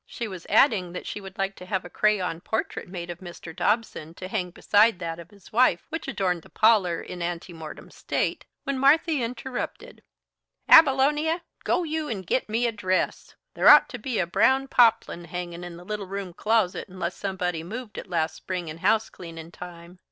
She was adding that she would like to have a crayon portrait made of Mr. Dobson to hang beside that of his wife which adorned the parlor in ante mortem state, when Marthy interrupted: "Abilonia, go you and git me a dress. There ought to be a brown poplin hangin' in the little room closet, unless somebody moved it last spring in housecleanin' time.